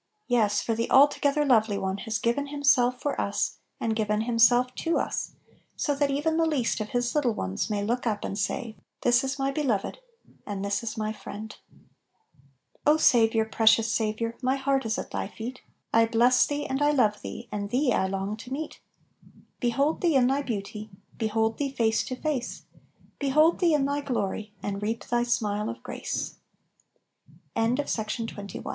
Yes, for the Altogether Lovely One has given Himself for us, and given Himself to us; so that even the least of His Utile ones may look up and say, " This is my Beloved, and thic is my Friend I" 4 'Oh Saviour, precious Saviour, My heart is at Thy feet; I bless Thee, and I love Thee, And Thee I long to meet "To see Thee in Thy beauty, To see Thee face to face, To see Thee in Thy glory, And reap Thy smile